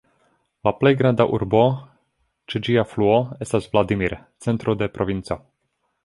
La plej granda urbo ĉe ĝia fluo estas Vladimir, centro de provinco.